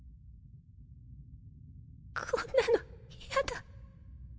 こんなの嫌だ。